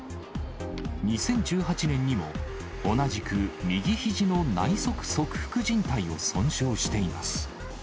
２０１８年にも、同じく右ひじの内側側副じん帯を損傷しています。